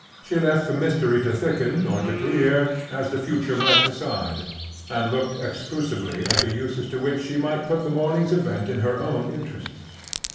She left the mystery to thicken or to clear, as the future might decide, and looked exclusively at the uses to which she might put the morning's event in her own interests.